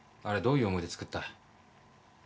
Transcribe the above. あれどういう思いで作った？